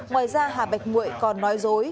ngoài ra hà bạch mụi còn nói dối